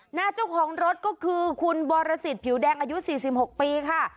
หน้าเจ้าของรถก็คือคุณบรสิทธิผิวแดงอายุ๔๖ปีค่ะ